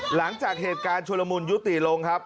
หลังจากเหตุการณ์ชุลมุนยุติลงครับ